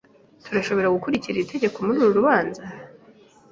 Turashobora gukurikiza iri tegeko muri uru rubanza?